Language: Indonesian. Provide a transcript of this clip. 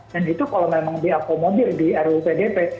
dan itu kalau memang diakomodir di ruu pdt